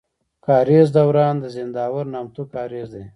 کاريز دوران د زينداور نامتو کاريز دی.